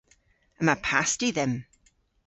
Yma pasti dhymm.